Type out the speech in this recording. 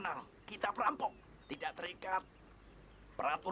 anggota kerumbulan agawulung kangarum